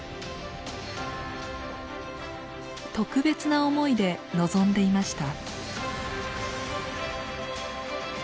特別な思いで臨んでいました。